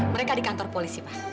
mereka di kantor polisi pak